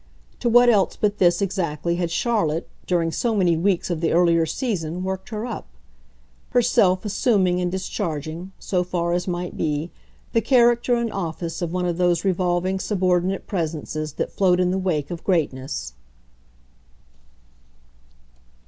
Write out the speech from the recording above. To what else but this, exactly, had Charlotte, during so many weeks of the earlier season, worked her up? herself assuming and discharging, so far as might be, the character and office of one of those revolving subordinate presences that float in the wake of greatness.